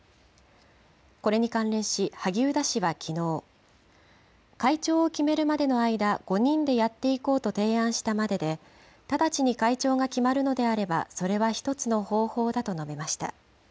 これに関連し、萩生田氏はきのう、会長を決めるまでの間、５人でやっていこうと提案したまでで、直ちに会長が決まるのであれば、それは１つの方法だと述べました。